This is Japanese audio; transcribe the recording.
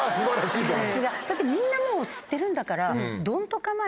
だってみんなもう知ってるんだから。